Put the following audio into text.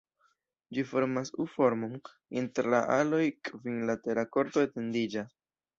Ĝi formas U-formon, inter la aloj kvinlatera korto etendiĝas.